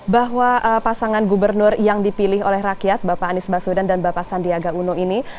bahwa pasangan gubernur yang dipilih oleh rakyat bapak anies baswedan dan bapak sandiaga uno ini